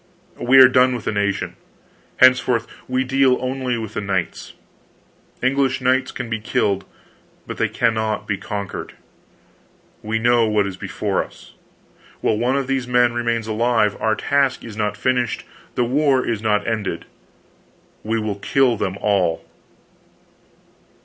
We are done with the nation; henceforth we deal only with the knights. English knights can be killed, but they cannot be conquered. We know what is before us. While one of these men remains alive, our task is not finished, the war is not ended. We will kill them all."